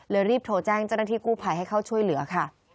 รีบโทรแจ้งเจ้าหน้าที่กู้ภัยให้เข้าช่วยเหลือค่ะ